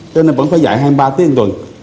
cho nên vẫn phải dạy hai mươi ba tiếng tuần